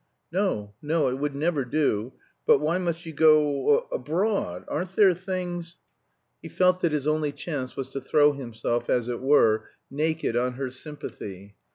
"No, no; it would never do. But why must you go abroad? Aren't there things " He felt that his only chance was to throw himself as it were naked on her sympathy.